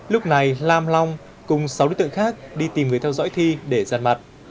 lúc này lam long cùng sáu đối tượng khác đi tìm người theo dõi thi để giàn mặt